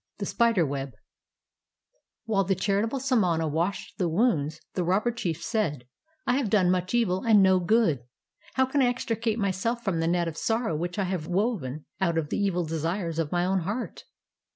THE SPIDER WEB While the charitable samana washed the wounds, the robber chief said: "I have done much evil and no good. How can I extricate myself from the net of sorrow which I have woven out of the evil desires of my own heart?